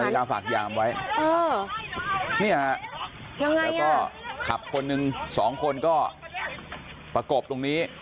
เอานาฬิกาฝากยามไว้เนี่ยแล้วก็ขับคนนึง๒คนก็ประกบตรงนี้